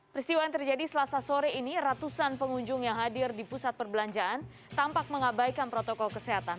peristiwa yang terjadi selasa sore ini ratusan pengunjung yang hadir di pusat perbelanjaan tampak mengabaikan protokol kesehatan